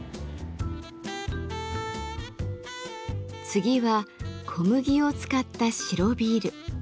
次は小麦を使った白ビール。